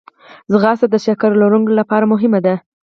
ځغاسته د شکر لرونکو لپاره مهمه ده